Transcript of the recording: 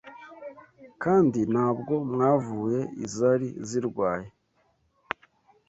kandi ntabwo mwavuye izari zirwaye